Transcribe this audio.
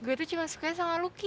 gue tuh cuma sukanya sama lucky